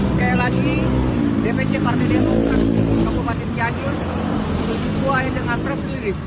sekali lagi dpc partai demokrat kabupaten cianjur sesuai dengan press release